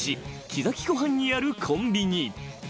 ［木崎湖畔にあるコンビニ］